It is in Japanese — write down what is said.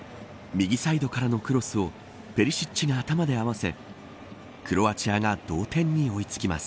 右サイドからのクロスをペリシッチが頭で合わせクロアチアが同点に追いつきます。